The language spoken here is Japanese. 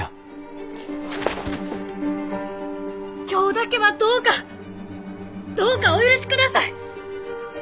今日だけはどうかどうかお許しください！